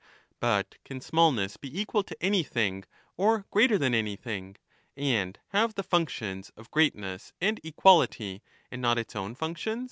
and small g^t can smallness be equal to anything or greater than must par anything, and have the functions of greatness and equality take of and not its own functions